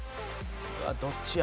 うわっどっちや？